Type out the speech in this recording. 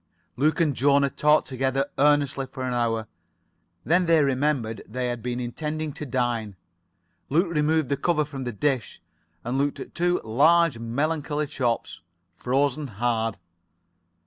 Luke and Jona talked together earnestly for an hour. Then they remembered they had been intending to dine. Luke removed the cover from the dish and looked at two large melancholy chops, frozen hard.